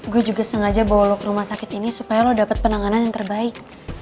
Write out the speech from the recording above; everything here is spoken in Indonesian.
gue juga sengaja bawa lok rumah sakit ini supaya lo dapat penanganan yang terbaik